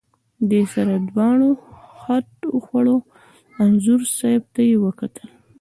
دې سره دواړو خټ وخوړه، انځور صاحب ته یې وکتل.